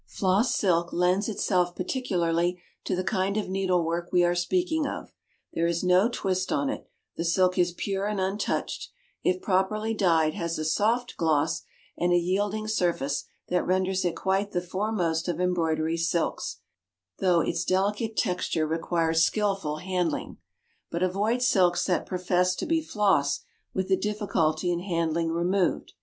Floss silk lends itself particularly to the kind of needlework we are speaking of; there is no twist on it, the silk is pure and untouched, if properly dyed has a soft gloss, and a yielding surface that renders it quite the foremost of embroidery silks, though its delicate texture requires skilful handling. But avoid silks that profess to be floss with the difficulty in handling removed.